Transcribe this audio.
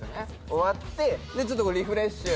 終わってちょっとこれリフレッシュ。